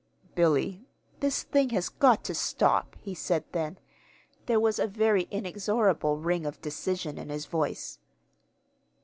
"Billy, this thing has got to stop," he said then. There was a very inexorable ring of decision in his voice.